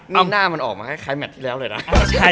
หน้ามันออกมาคล้ายแมทที่แล้วเลยนะ